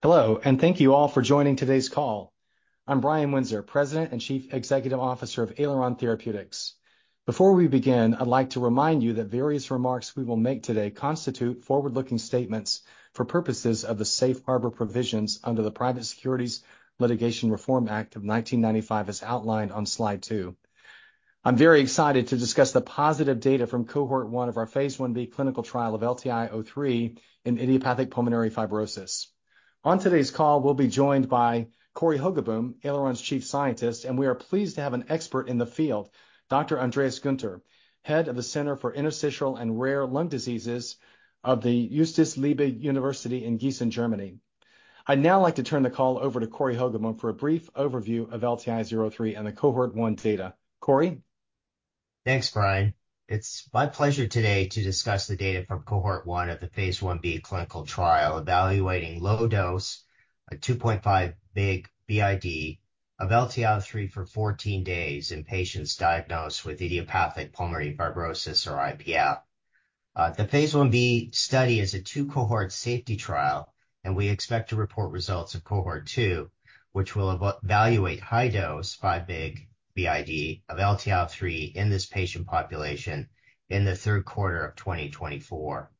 Hello, and thank you all for joining today's call. I'm Brian Windsor, President and Chief Executive Officer of Aileron Therapeutics. Before we begin, I'd like to remind you that various remarks we will make today constitute forward-looking statements for purposes of the Safe Harbor Provisions under the Private Securities Litigation Reform Act of 1995, as outlined on slide 2. I'm very excited to discuss the positive data from cohort 1 of our phase Ib clinical trial of LTI-03 in idiopathic pulmonary fibrosis. On today's call, we'll be joined by Cory Hogeboom, Aileron's Chief Scientist, and we are pleased to have an expert in the field, Dr. Andreas Günther, Head of the Center for Interstitial and Rare Lung Diseases of the Justus Liebig University in Gießen, Germany. I'd now like to turn the call over to Cory Hogeboom for a brief overview of LTI-03 and the cohort 1 data. Cory? Thanks, Brian. It's my pleasure today to discuss the data from cohort one of the phase Ib clinical trial, evaluating low dose 2.5 mg BID of LTI-03 for 14 days in patients diagnosed with idiopathic pulmonary fibrosis or IPF. The phase Ib study is a two-cohort safety trial, and we expect to report results of cohort two, which will evaluate high dose 5 mg BID of LTI-03 in this patient population in the third quarter of 2024.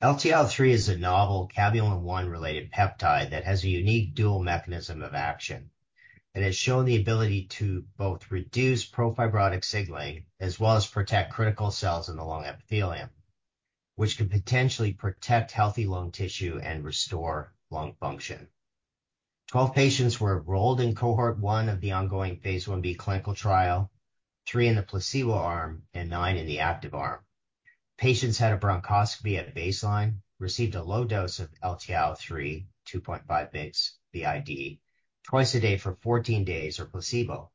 LTI-03 is a novel Caveolin-1 related peptide that has a unique dual mechanism of action. It has shown the ability to both reduce pro-fibrotic signaling, as well as protect critical cells in the lung epithelium, which could potentially protect healthy lung tissue and restore lung function. 12 patients were enrolled in cohort 1 of the ongoing phase Ib clinical trial, 3 in the placebo arm and 9 in the active arm. Patients had a bronchoscopy at baseline, received a low dose of LTI-03, 2.5 mg BID, twice a day for 14 days or placebo,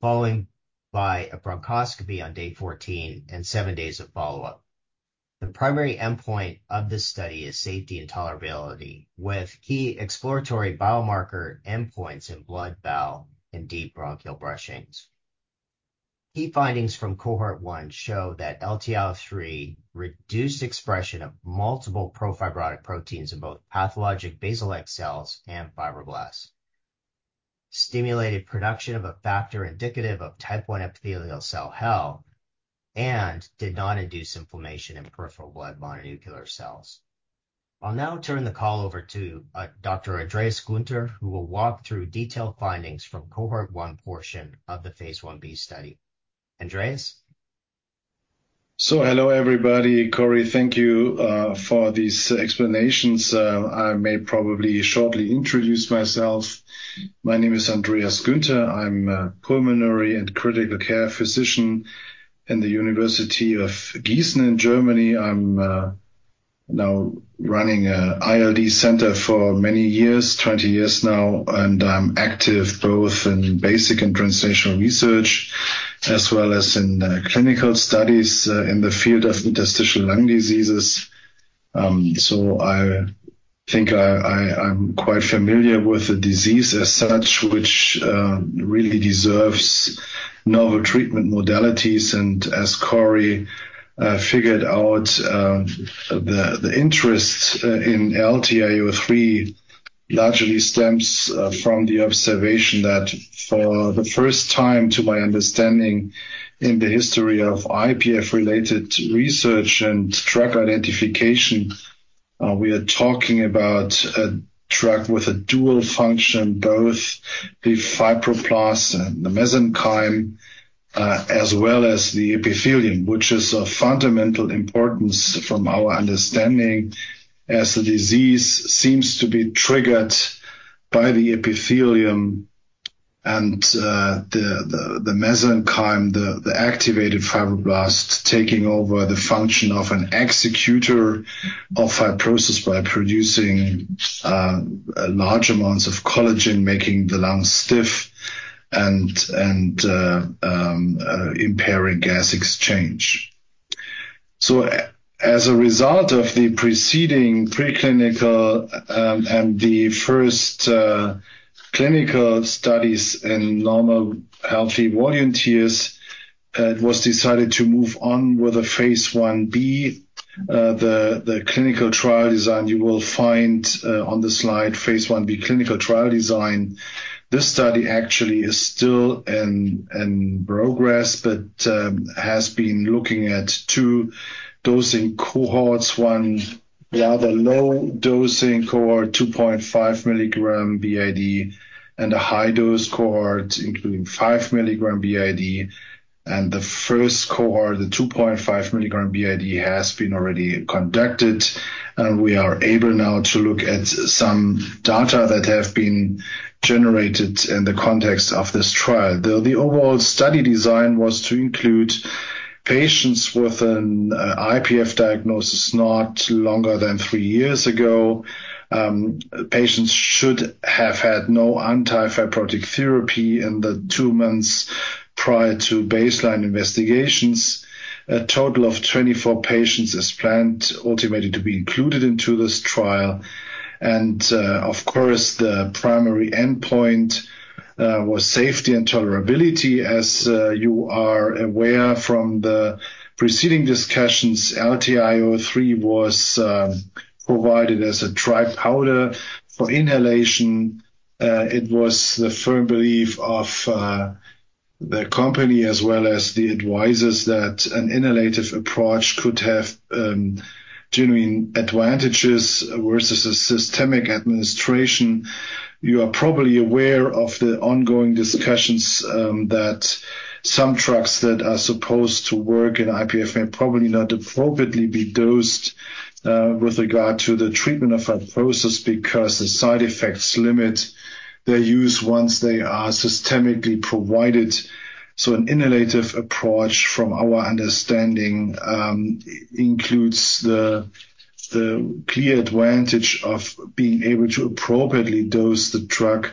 followed by a bronchoscopy on day 14 and 7 days of follow-up. The primary endpoint of this study is safety and tolerability, with key exploratory biomarker endpoints in blood, BAL, and deep bronchial brushings. Key findings from cohort 1 show that LTI-03 reduced expression of multiple pro-fibrotic proteins in both pathologic basal-like cells and fibroblasts, stimulated production of a factor indicative of type 1 epithelial cell health, and did not induce inflammation in peripheral blood mononuclear cells. I'll now turn the call over to, Dr. Andreas Günther, who will walk through detailed findings from cohort 1 portion of the phase Ib study. Andreas? So hello, everybody. Cory, thank you for these explanations. I may probably shortly introduce myself. My name is Andreas Günther. I'm a pulmonary and critical care physician in the University of Gießen in Germany. I'm now running an ILD center for many years, 20 years now, and I'm active both in basic and translational research, as well as in clinical studies in the field of interstitial lung diseases. So I think I'm quite familiar with the disease as such, which really deserves novel treatment modalities. And as Cory figured out, the interest in LTI-03 largely stems from the observation that for the first time, to my understanding, in the history of IPF-related research and drug identification, we are talking about a drug with a dual function, both the fibroblast and the mesenchyme, as well as the epithelium. Which is of fundamental importance from our understanding, as the disease seems to be triggered by the epithelium and the mesenchyme, the activated fibroblasts taking over the function of an executor of fibrosis by producing large amounts of collagen, making the lungs stiff and impairing gas exchange. So as a result of the preceding preclinical and the first clinical studies in normal, healthy volunteers, it was decided to move on with the phase Ib. The clinical trial design you will find on the slide, phase Ib clinical trial design. This study actually is still in progress, but has been looking at two dosing cohorts, one, the low dosing cohort, 2.5 milligram BID, and a high-dose cohort, including 5 milligram BID. The first cohort, the 2.5 milligram BID, has been already conducted, and we are able now to look at some data that have been generated in the context of this trial. The overall study design was to include patients with an IPF diagnosis not longer than three years ago. Patients should have had no anti-fibrotic therapy in the two months prior to baseline investigations. A total of 24 patients as planned, ultimately to be included into this trial. Of course, the primary endpoint-... was safety and tolerability. As you are aware from the preceding discussions, LTI-03 was provided as a dry powder for inhalation. It was the firm belief of the company, as well as the advisors, that an inhalative approach could have genuine advantages versus a systemic administration. You are probably aware of the ongoing discussions that some drugs that are supposed to work in IPF may probably not appropriately be dosed with regard to the treatment of fibrosis, because the side effects limit their use once they are systemically provided. So an inhalative approach, from our understanding, includes the clear advantage of being able to appropriately dose the drug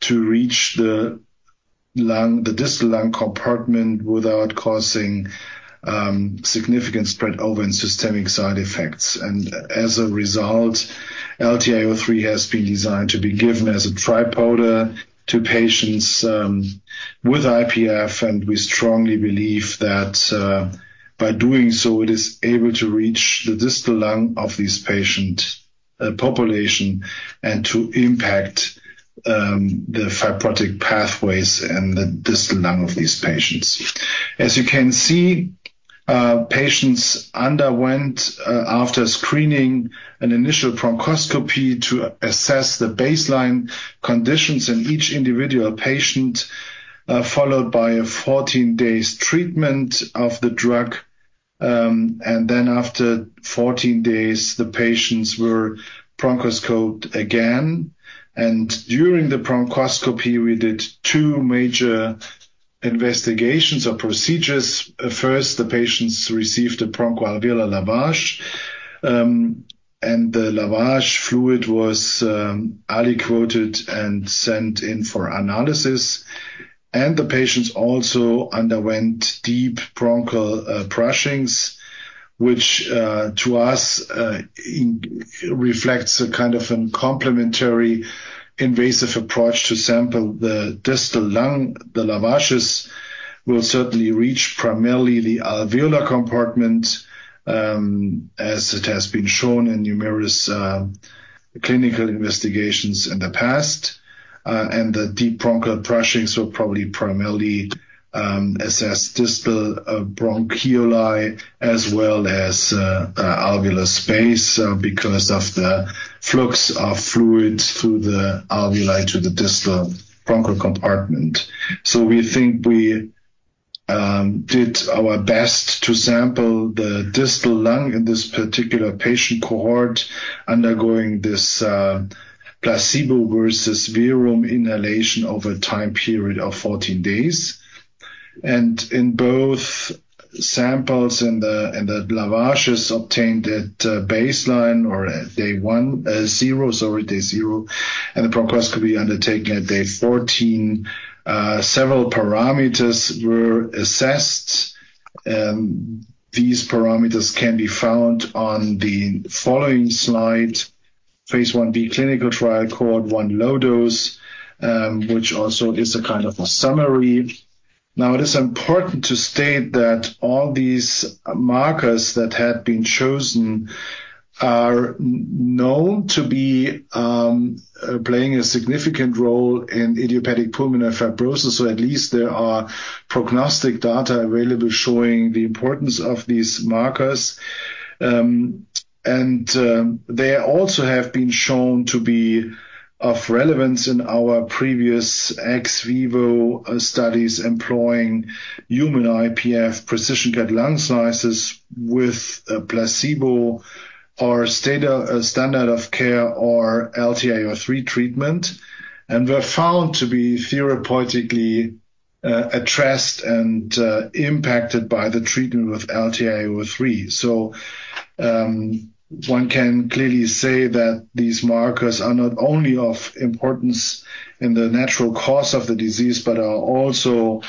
to reach the lung, the distal lung compartment, without causing significant spread over in systemic side effects. As a result, LTI-03 has been designed to be given as a dry powder to patients with IPF, and we strongly believe that by doing so, it is able to reach the distal lung of these patient population and to impact the fibrotic pathways in the distal lung of these patients. As you can see, patients underwent after screening an initial bronchoscopy to assess the baseline conditions in each individual patient followed by a 14 days treatment of the drug. And then after 14 days, the patients were bronchoscoped again, and during the bronchoscopy, we did two major investigations or procedures. First, the patients received a bronchoalveolar lavage, and the lavage fluid was aliquoted and sent in for analysis. The patients also underwent deep bronchial brushings, which to us reflects a kind of a complementary invasive approach to sample the distal lung. The lavages will certainly reach primarily the alveolar compartment, as it has been shown in numerous clinical investigations in the past. And the deep bronchial brushings will probably primarily assess distal bronchioles, as well as alveolar space, because of the flux of fluids through the alveoli to the distal bronchial compartment. So we think we did our best to sample the distal lung in this particular patient cohort, undergoing this placebo versus verum inhalation over a time period of 14 days. In both samples, in the lavages obtained at baseline or at day zero, and the bronchoscopy undertaken at day 14, several parameters were assessed. These parameters can be found on the following slide, phase Ib clinical trial called One Low Dose, which also is a kind of a summary. Now, it is important to state that all these markers that had been chosen are known to be playing a significant role in idiopathic pulmonary fibrosis, so at least there are prognostic data available showing the importance of these markers. They also have been shown to be of relevance in our previous ex vivo studies employing human IPF precision-cut lung slices with a placebo or a standard of care, or LTI-03 treatment, and were found to be therapeutically addressed and impacted by the treatment with LTI-03. One can clearly say that these markers are not only of importance in the natural course of the disease, but are also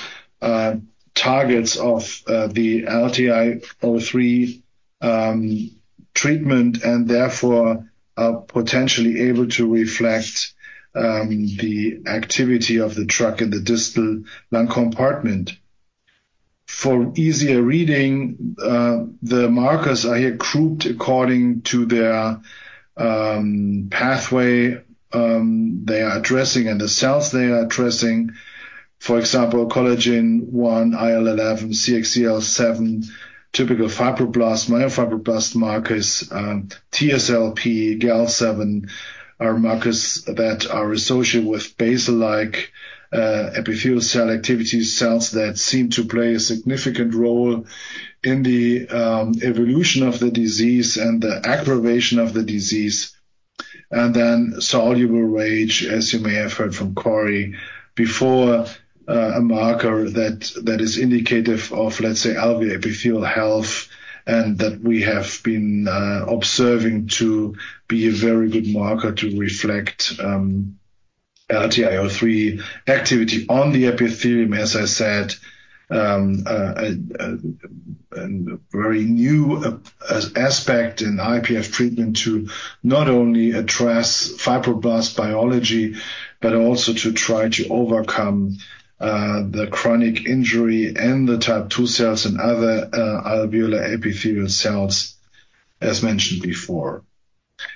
targets of the LTI-03 treatment, and therefore are potentially able to reflect the activity of the drug in the distal lung compartment. For easier reading, the markers are here grouped according to their pathway they are addressing and the cells they are addressing. For example, collagen one, IL-11, CXCL7, typical fibroblast, myofibroblast markers. TSLP, Gal-7, are markers that are associated with basal-like epithelial cell activity, cells that seem to play a significant role in the evolution of the disease and the aggravation of the disease. And then soluble RAGE, as you may have heard from Cory before, a marker that, that is indicative of, let's say, alveolar epithelial health, and that we have been observing to be a very good marker to reflect LTI-03 activity on the epithelium. As I said, and a very new aspect in IPF treatment to not only address fibroblast biology, but also to try to overcome the chronic injury in the type two cells and other alveolar epithelial cells, as mentioned before.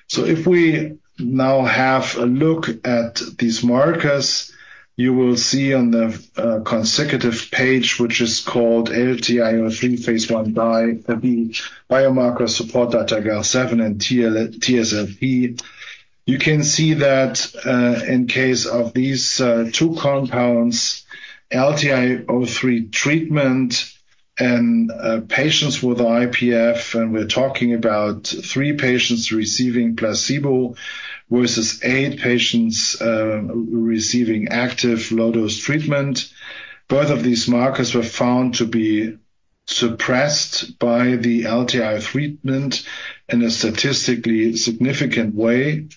So if we now have a look at these markers, you will see on the consecutive page, which is called LTI-03 phase I Biomarker Support Data, Gal-7 and TSLP. You can see that in case of these two compounds, LTI-03 treatment in patients with IPF, and we're talking about three patients receiving placebo versus eight patients receiving active low-dose treatment. Both of these markers were found to be suppressed by the LTI treatment in a statistically significant way.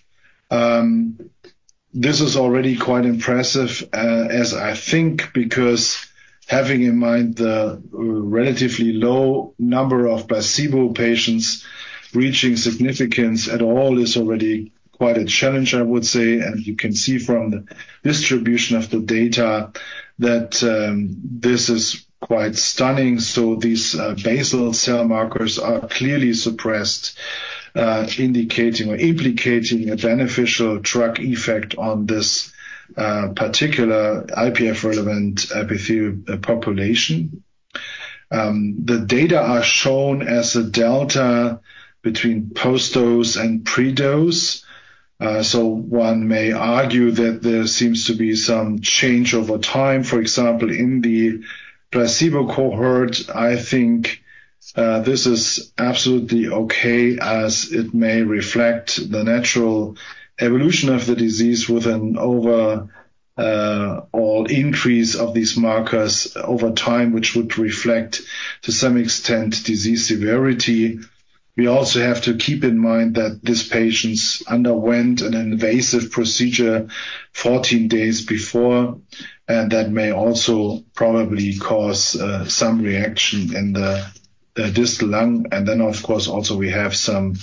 This is already quite impressive, as I think, because having in mind the relatively low number of placebo patients, reaching significance at all is already quite a challenge, I would say. And you can see from the distribution of the data that this is quite stunning. So these basal cell markers are clearly suppressed, indicating or implicating a beneficial drug effect on this particular IPF-relevant epithelium population. The data are shown as a delta between post-dose and pre-dose. So one may argue that there seems to be some change over time, for example, in the placebo cohort. I think this is absolutely okay, as it may reflect the natural evolution of the disease with an overall increase of these markers over time, which would reflect, to some extent, disease severity. We also have to keep in mind that these patients underwent an invasive procedure 14 days before, and that may also probably cause some reaction in the distal lung. And then, of course, also we have some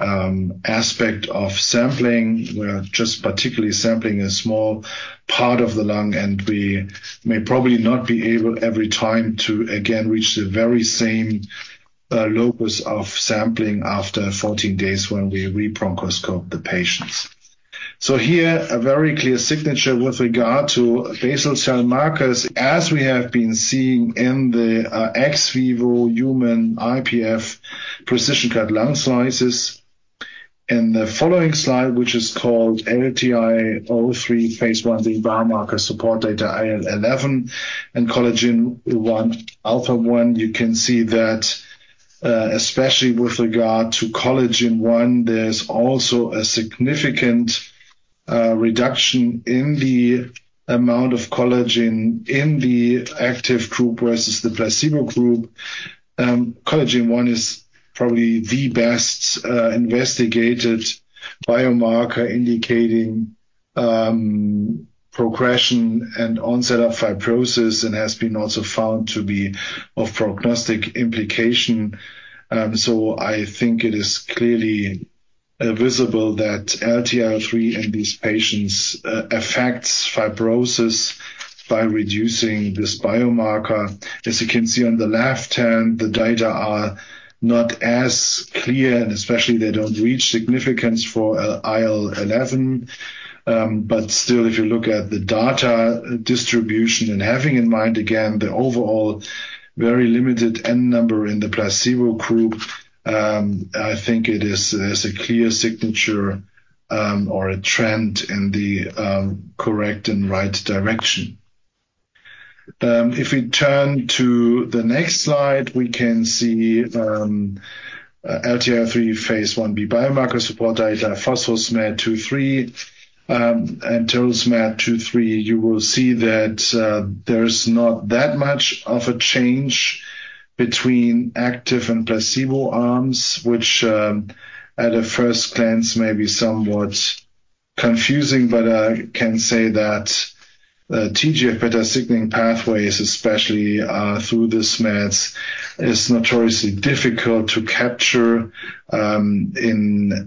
aspect of sampling, where just particularly sampling a small part of the lung, and we may probably not be able every time to again, reach the very same locus of sampling after 14 days when we re-bronchoscope the patients. So here, a very clear signature with regard to basal cell markers, as we have been seeing in the ex vivo human IPF precision-cut lung slices. In the following slide, which is called LTI-03 Phase I, the biomarker support data IL-11 and collagen one, alpha one, you can see that, especially with regard to collagen one, there's also a significant reduction in the amount of collagen in the active group versus the placebo group. Collagen one is probably the best investigated biomarker indicating progression and onset of fibrosis, and has been also found to be of prognostic implication. So I think it is clearly visible that LTI-03 in these patients affects fibrosis by reducing this biomarker. As you can see on the left hand, the data are not as clear, and especially they don't reach significance for IL-11. But still, if you look at the data distribution and having in mind, again, the overall very limited N number in the placebo group, I think it is. There's a clear signature or a trend in the correct and right direction. If we turn to the next slide, we can see LTI-03 phase Ib biomarker support data, phospho-SMAD2/3 and total SMAD2/3. You will see that there's not that much of a change between active and placebo arms, which at a first glance may be somewhat confusing. But I can say that TGF-beta signaling pathways, especially through this SMAD, is notoriously difficult to capture in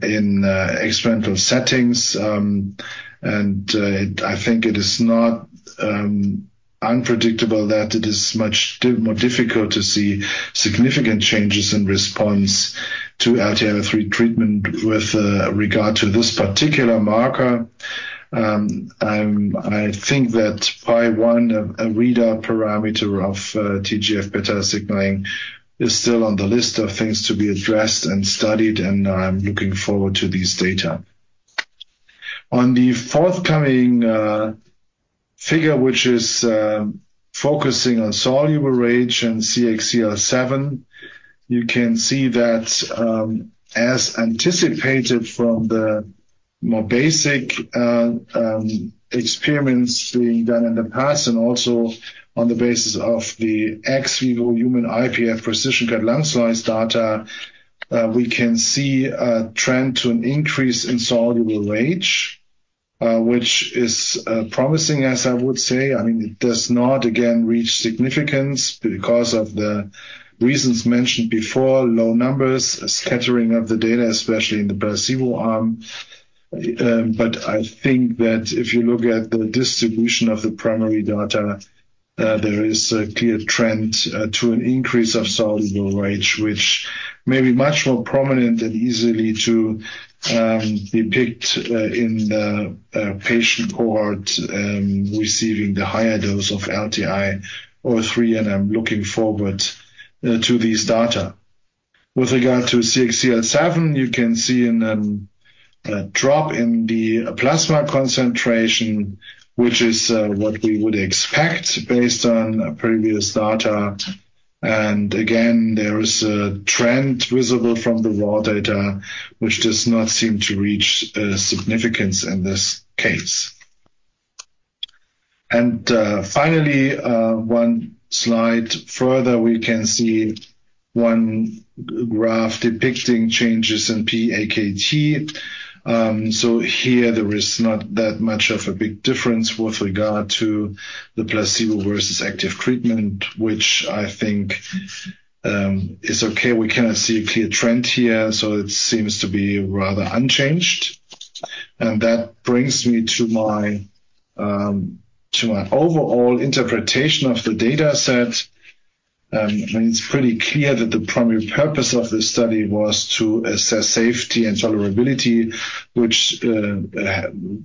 experimental settings. And I think it is not unpredictable that it is much more difficult to see significant changes in response to LTI-03 treatment with regard to this particular marker. I think that PAI-1, a readout parameter of TGF-beta signaling, is still on the list of things to be addressed and studied, and I'm looking forward to these data. On the forthcoming figure, which is focusing on soluble RAGE and CXCL7, you can see that, as anticipated from the more basic experiments being done in the past and also on the basis of the ex vivo human IPF precision-cut lung slice data, we can see a trend to an increase in soluble RAGE, which is promising, as I would say. I mean, it does not, again, reach significance because of the reasons mentioned before: low numbers, scattering of the data, especially in the placebo arm. But I think that if you look at the distribution of the primary data, there is a clear trend to an increase of soluble RAGE, which may be much more prominent and easily to depict in the patient cohort receiving the higher dose of LTI-03, and I'm looking forward to these data. With regard to CXCL7, you can see a drop in the plasma concentration, which is what we would expect based on previous data. And again, there is a trend visible from the raw data, which does not seem to reach significance in this case. And finally, one slide further, we can see one graph depicting changes in pAKT. So here there is not that much of a big difference with regard to the placebo versus active treatment, which I think is okay. We cannot see a clear trend here, so it seems to be rather unchanged. And that brings me to my, to my overall interpretation of the dataset. I mean, it's pretty clear that the primary purpose of this study was to assess safety and tolerability, which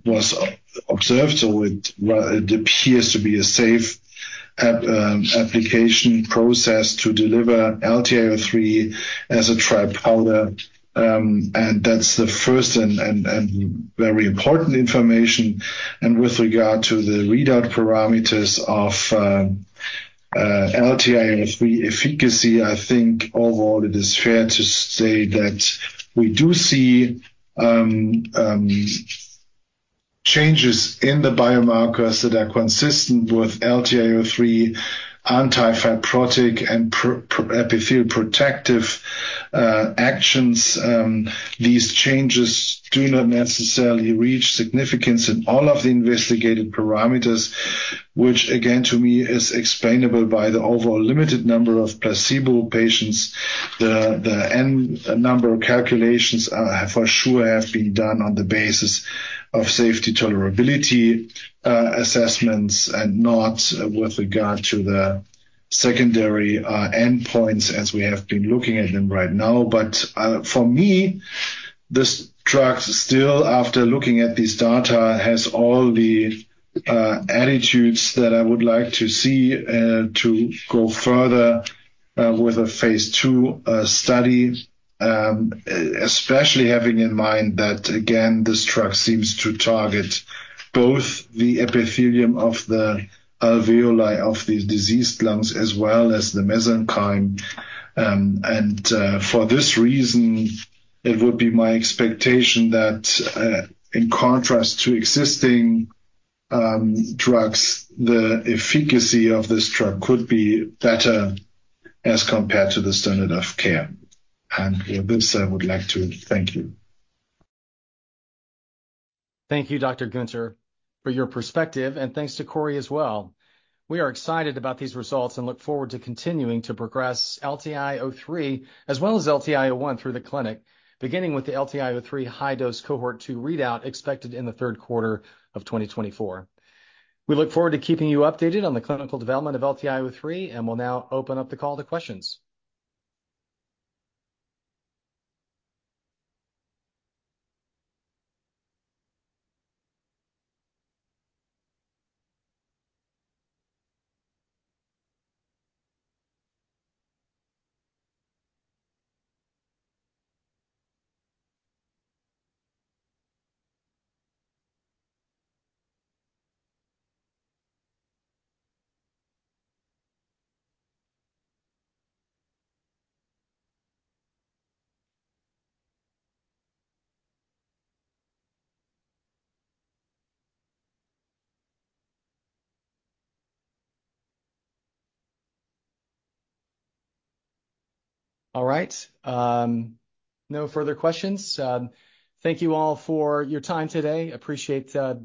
was observed, so it appears to be a safe application process to deliver LTI-03 as a dry powder. And that's the first and very important information. And with regard to the readout parameters of LTI-03 efficacy, I think overall it is fair to say that we do see changes in the biomarkers that are consistent with LTI-03 anti-fibrotic and pro-epithelium protective actions. These changes do not necessarily reach significance in all of the investigated parameters, which again, to me is explainable by the overall limited number of placebo patients. The number of calculations are, for sure, have been done on the basis of safety tolerability assessments, and not with regard to the secondary endpoints, as we have been looking at them right now. But for me, this drug still, after looking at this data, has all the attitudes that I would like to see to go further with a phase II study. Especially having in mind that, again, this drug seems to target both the epithelium of the alveoli of the diseased lungs as well as the mesenchyme. For this reason, it would be my expectation that, in contrast to existing drugs, the efficacy of this drug could be better as compared to the standard of care. And with this, I would like to thank you. Thank you, Dr. Günther, for your perspective, and thanks to Cory as well. We are excited about these results and look forward to continuing to progress LTI-03, as well as LTI-01, through the clinic, beginning with the LTI-03 high-dose cohort 2 readout, expected in the third quarter of 2024. We look forward to keeping you updated on the clinical development of LTI-03, and we'll now open up the call to questions. All right. No further questions. Thank you all for your time today. Appreciate the-